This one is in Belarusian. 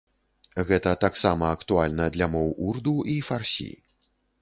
Гэта таксама актуальна для моў урду і фарсі.